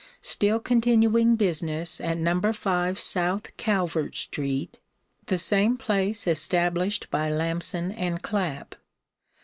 still continuing business at No. 5 South Calvert street (the same place established by Lamson & Clap).